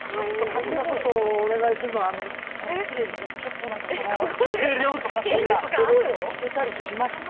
こんなことをお願いするのは失礼ですけど、ちょっと、その声量とかって今、聞けたりしますか？